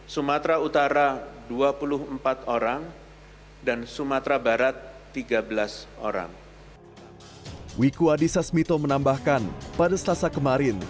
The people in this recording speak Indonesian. sumatera utara dua puluh empat orang dan sumatera barat tiga belas orang wiku adhisa smito menambahkan pada selasa kemarin